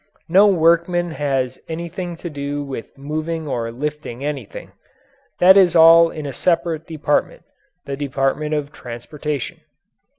No workman has anything to do with moving or lifting anything. That is all in a separate department the department of transportation.